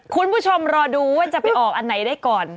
คุณผู้ชมรอดูว่าจะไปออกอันไหนได้ก่อน